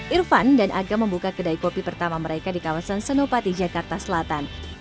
irfan dan aga membuka kedai kopi pertama mereka di kawasan senopati jakarta selatan